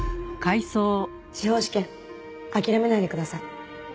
司法試験諦めないでください。